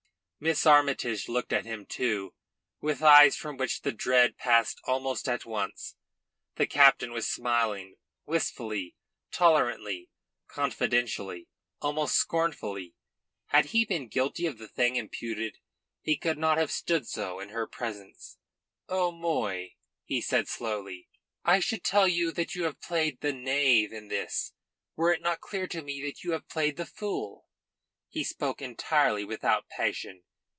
Miss Armytage looked at him too, with eyes from which the dread passed almost at once. The captain was smiling, wistfully, tolerantly, confidently, almost scornfully. Had he been guilty of the thing imputed he could not have stood so in her presence. "O'Moy," he said slowly, "I should tell you that you have played the knave in this were it not clear to me that you have played the fool." He spoke entirely without passion.